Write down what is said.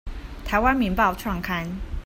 臺灣民報創刊